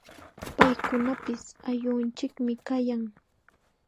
Paykunapis ayllunchikmi kayan.